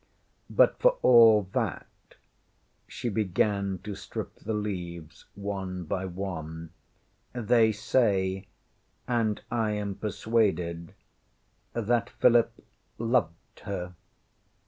ŌĆśBut for all thatŌĆÖ she began to strip the leaves one by one ŌĆśthey say and I am persuaded that Philip loved her.